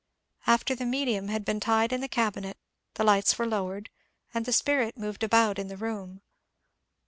After the '^ medium " had been tied in the cabinet the lights were lowered, and the " spirit " moved about in the room.